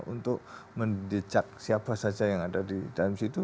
untuk mendecak siapa saja yang ada di dalam situ